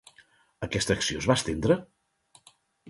Aquesta acció es va estendre?